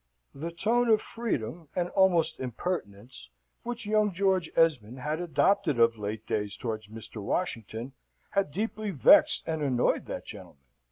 The tone of freedom and almost impertinence which young George Esmond had adopted of late days towards Mr. Washington had very deeply vexed and annoyed that gentleman.